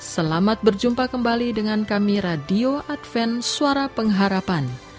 selamat berjumpa kembali dengan kami radio adven suara pengharapan